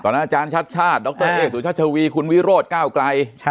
ตอนนั้นอาจารย์ชาติชาติดรเอศวิชาชวีคุณวิโรธเก้าไกร